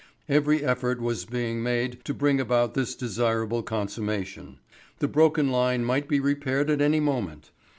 Every effort was being made to bring about this desirable consummation. The broken line might be repaired at any moment.